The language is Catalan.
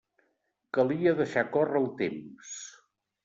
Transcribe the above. Calia deixar córrer el temps.